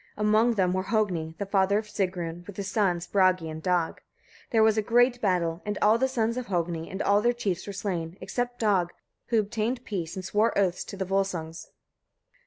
Among them were Hogni, the father of Sigrun, with his sons, Bragi and Dag. There was a great battle, and all the sons of Hogni, and all their chiefs were slain, except Dag, who obtained peace, and swore oaths to the Volsungs.